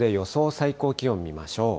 最高気温見ましょう。